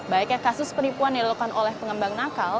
baiknya kasus penipuan yang dilakukan oleh pengembang nakal